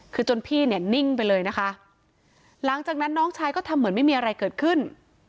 คือจนพี่เนี่ยนิ่งไปเลยนะคะหลังจากนั้นน้องชายก็ทำเหมือนไม่มีอะไรเกิดขึ้น